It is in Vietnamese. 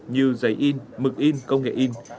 như giấy in mực in công nghệ in